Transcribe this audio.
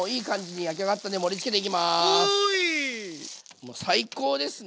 もう最高ですね。